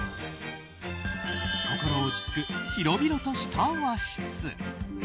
心落ち着く広々とした和室。